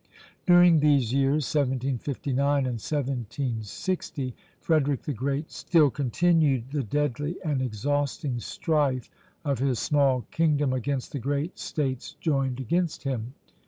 During these years, 1759 and 1760, Frederick the Great still continued the deadly and exhausting strife of his small kingdom against the great States joined against him.